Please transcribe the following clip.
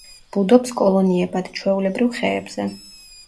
ბუდობს კოლონიებად, ჩვეულებრივ ხეებზე.